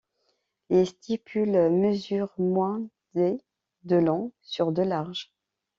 Les stipules mesurent moins d' de long sur de large.